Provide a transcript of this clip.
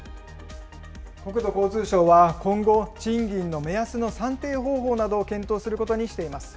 国土交通省は今後、賃金の目安の算定方法などを検討することにしています。